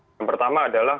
yang pertama adalah